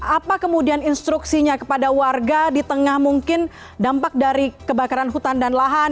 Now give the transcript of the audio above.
apa kemudian instruksinya kepada warga di tengah mungkin dampak dari kebakaran hutan dan lahan